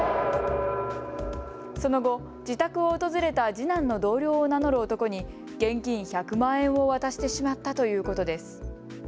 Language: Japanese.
その後、自宅を訪れた次男の同僚を名乗る男に現金１００万円を渡してしまったということです。